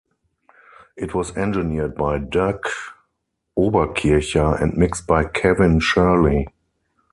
It was engineered by Doug Oberkircher and mixed by Kevin Shirley.